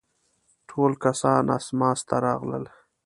ټول کسان اسماس ته راغلل.